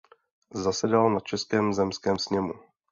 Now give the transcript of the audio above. Zasedal na Českém zemském sněmu.